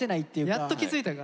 やっと気付いたか。